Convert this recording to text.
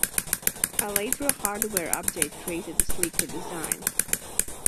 A later hardware update created a sleeker design.